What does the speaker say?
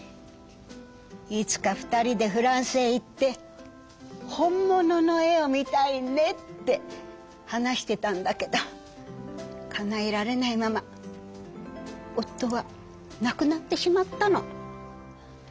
「いつか二人でフランスへ行って本物の絵を見たいね」って話してたんだけどかなえられないまま夫はなくなってしまったの。